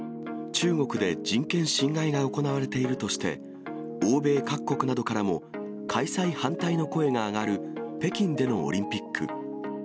中国で人権侵害が行われているとして、欧米各国などからも開催反対の声が上がる北京でのオリンピック。